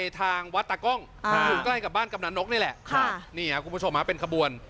ทางหวัดตากล้องใกล้กับบ้านกำนานนก